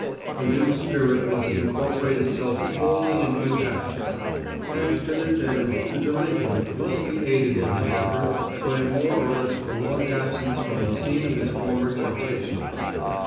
The new spirit must incorporate itself slowly in new habits; and to this end the delinquent must be aided in his efforts by a more or less prolonged absence from the scene of his former temptations.